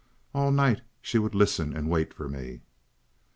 All night she would listen and wait for me.